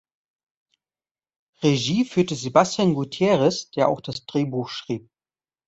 Regie führte Sebastian Gutierrez, der auch das Drehbuch schrieb.